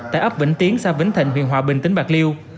tại ấp vĩnh tiến xa vĩnh thịnh huyện hòa bình tỉnh bạc liêu